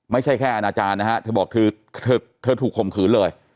ไม่ใช่แค่อาณาจารย์นะฮะเธอบอกเธอถูกข่มขืนเลย